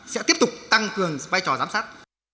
sẽ tiếp tục tăng cường vai trò giám sát